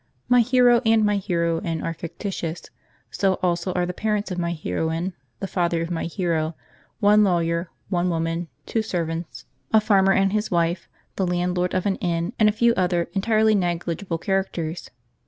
My hero and my heroine are fictitious; so also are the parents of my heroine, the father of my hero, one lawyer, one woman, two servants, a farmer and his wife, the landlord of an inn, and a few other entirely negligible characters.